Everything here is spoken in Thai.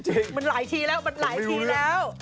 มันหลายทีแล้วมันหลายทีแล้ว